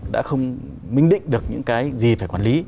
đã không minh định được những cái gì phải quản lý